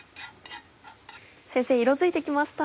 先生色づいて来ました。